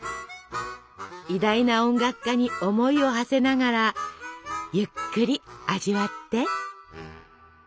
偉大な音楽家に思いをはせながらゆっくり味わって！